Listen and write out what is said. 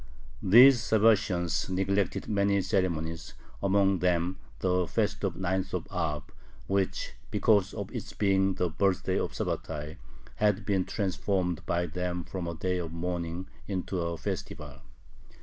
These Sabbatians neglected many ceremonies, among them the fast of the Ninth of Ab, which, because of its being the birthday of Sabbatai, had been transformed by them from a day of mourning into a festival.